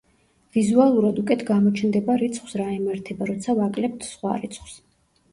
ვიზუალურად უკეთ გამოჩნდება რიცხვს რა ემართება, როცა ვაკლებთ სხვა რიცხვს.